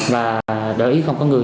và đợi ý không có người